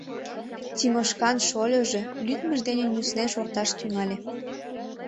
Тимошкан шольыжо лӱдмыж дене нюслен шорташ тӱҥале.